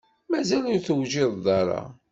Mazal ur tewjiḍeḍ ara?